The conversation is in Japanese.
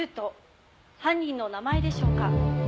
犯人の名前でしょうか。